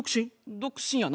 独身やな。